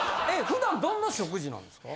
普段どんな食事なんですか？